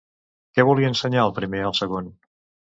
Què volia ensenyar el primer al segon?